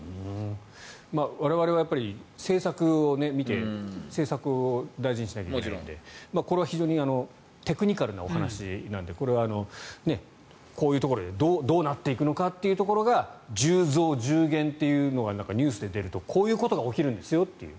我々はやっぱり政策を見て政策を大事にしなきゃいけないのでこれは非常にテクニカルなお話なのでこれはこういうところでどうなっていくのかというところが１０増１０減というのがニュースで出るとこういうことが起きるんですよと。